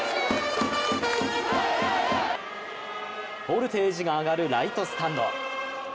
ボルテージが上がるライトスタンド。